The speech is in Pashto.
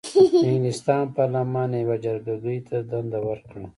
د انګلستان پارلمان یوې جرګه ګۍ ته دنده ورکړه.